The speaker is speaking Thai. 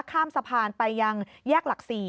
ข้ามสะพานไปยังแยกหลัก๔